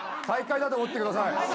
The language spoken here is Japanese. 大会だと思ってください！